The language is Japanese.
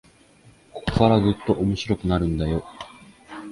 ここからぐっと面白くなるんだよ